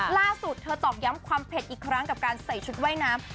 ล่าสุดเธอตอกย้ำความเผ็ดอีกครั้งกับการใส่ชุดว่ายน้ำ